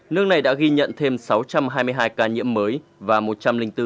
nước này đã ghi nhận thêm sáu trăm hai mươi hai ca nhiễm mới